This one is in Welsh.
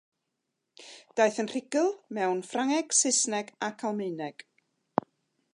Daeth yn rhugl mewn Ffrangeg, Saesneg ac Almaeneg.